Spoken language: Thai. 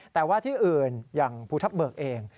แต่ว่าที่อื่นอย่างภูทับเบิกเอง